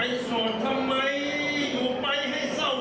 ไปส่วนทำไมอยู่ไปให้เศร้าเบาสวง